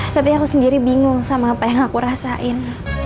tapi aku sendiri bingung sama apa yang aku rasain